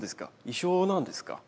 一緒なんですか？